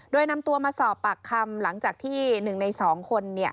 โดยนำตัวมาสอบปากคำหลังจากที่๑ใน๒คน